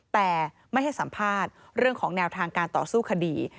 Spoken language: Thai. แต่ไม่ให้สัมภาษณ์เรื่องของแนวทางการต่อสู้คดี